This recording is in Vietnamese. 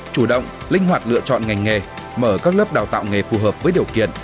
chủ động linh hoạt lựa chọn ngành nghề mở các lớp đào tạo nghề phù hợp với điều kiện